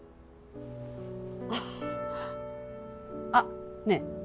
あっねえ